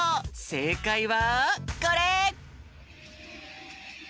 せいかいはこれ！